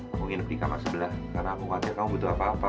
ngomongin di kamar sebelah karena aku khawatir kamu butuh apa apa